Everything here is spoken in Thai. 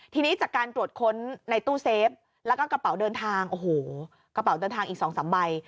ทีนี้จากการตรวจค้นในตู้เซฟแล้วก็กระเป๋าเดินทางโอ้โหกระเป๋าเดินทางอีก๒๓ใบ